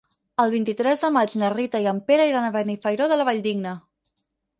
El vint-i-tres de maig na Rita i en Pere iran a Benifairó de la Valldigna.